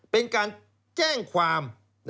เป็นการแจ้งความ